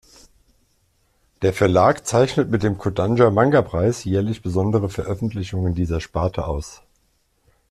Der Verlag zeichnet mit dem Kodansha-Manga-Preis jährlich besondere Veröffentlichungen dieser Sparte aus.